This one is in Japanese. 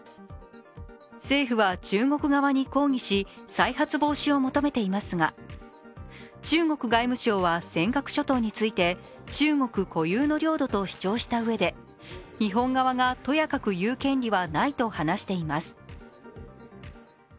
政府は中国側に抗議し再発防止を求めていますが中国外務省は尖閣諸島について中国固有の領土と主張したうえで日本側がとやかく言う権利はないと話しています。